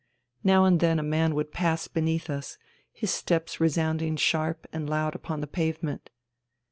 Now and then a man would pass beneath us, his steps resounding sharp and loud upon the pavement.